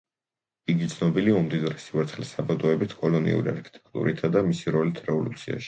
იგი ცნობილია უმდიდრესი ვერცხლის საბადოებით, კოლონიური არქიტექტურითა და მისი როლით რევოლუციაში.